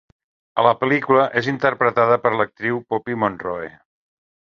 A la pel·lícula, és interpretada per l'actriu Poppi Monroe.